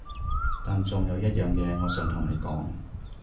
但仲有一樣嘢我想同你講